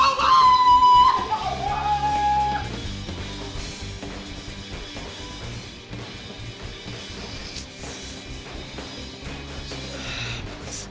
berisik banget sih